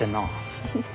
フフフ。